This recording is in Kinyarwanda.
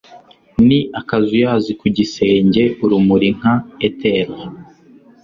Ni akazuyazi Ku gisenge urumuri nka ether